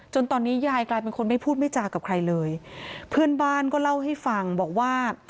ตอนนี้ยายกลายเป็นคนไม่พูดไม่จากับใครเลยเพื่อนบ้านก็เล่าให้ฟังบอกว่า